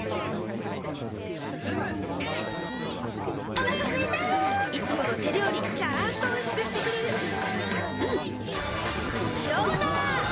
お腹すいたいつもの手料理ちゃんとおいしくしてくれるジューうんどうだわ！